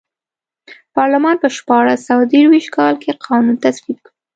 پارلمان په شپاړس سوه درویشت کال کې قانون تصویب کړ.